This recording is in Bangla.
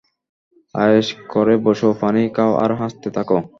আয়েশ করে বসো, পানি খাও আর হাসতে থাকো।